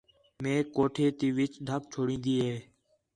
میک کوٹھے تی وِچ ڈھک چھڑین٘دی ہِے